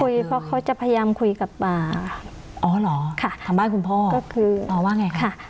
เพราะเขาจะพยายามคุยกับอ่าอ๋อเหรอค่ะทางบ้านคุณพ่อก็คืออ๋อว่าไงค่ะ